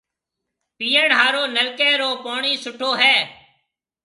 پئِيڻ هارون نلڪيَ رو پوڻِي سُٺو هيَ۔